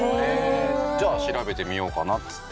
じゃあ調べてみようかなっつって。